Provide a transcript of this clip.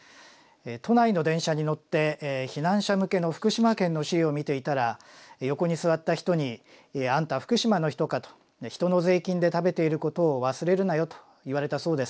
都内の電車に乗って避難者向けの福島県の資料を見ていたら横に座った人に「あんた福島の人か」と「人の税金で食べていることを忘れるなよ」と言われたそうです。